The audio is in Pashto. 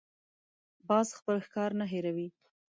باز خپل ښکار نه هېروي